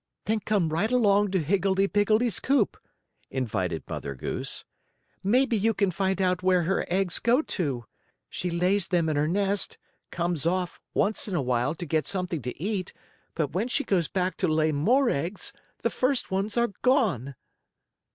"Then come right along to Higgledee Piggledee's coop," invited Mother Goose. "Maybe you can find out where her eggs go to. She lays them in her nest, comes off, once in a while, to get something to eat, but when she goes back to lay more eggs the first ones are gone."